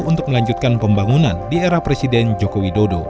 untuk melanjutkan pembangunan di era presiden joko widodo